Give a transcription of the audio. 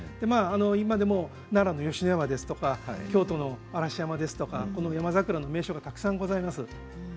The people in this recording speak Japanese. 今でも奈良の吉野山ですとか京都の嵐山ですとかヤマザクラの名所がたくさんございます。